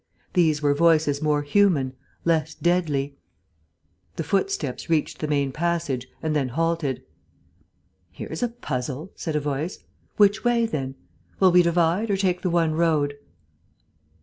These were voices more human, less deadly. The footsteps reached the main passage, and then halted. "Here's a puzzle," said a voice. "Which way, then? Will we divide, or take the one road?"